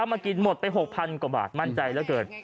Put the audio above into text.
มากินหมดไป๖๐๐กว่าบาทมั่นใจเหลือเกิน